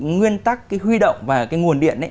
nguyên tắc cái huy động và cái nguồn điện